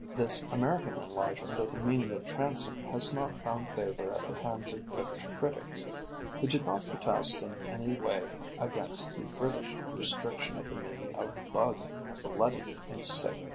This American enlargement of the meaning of transom has not found favor at the hands of British critics, who did not protest in any way against the British restriction of the meaning of bug, bloody, and sick.